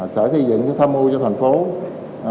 sở xây dựng tham mưu cho tp hcm